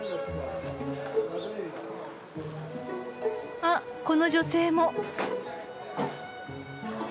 あっこの女性も。